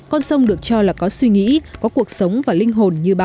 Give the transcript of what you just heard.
con sông được cho là có suy nghĩ có cuộc sống và linh hồn như bao